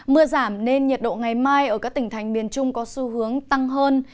mưa giảm nên nhiệt độ ngày mai ở các tỉnh thành miền trung có xu hướng tăng hơn